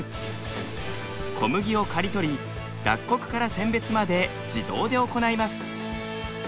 小麦を刈り取り脱穀から選別まで自動で行います。